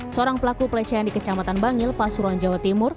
seorang pelaku pelecehan di kecamatan bangil pasuruan jawa timur